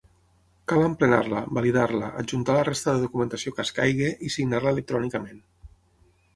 Cal emplenar-la, validar-la, adjuntar la resta de documentació que escaigui i signar-la electrònicament.